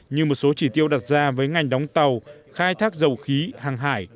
như một số chỉ tiêu đặt ra với ngành đóng tàu khai thác dầu khí hàng hải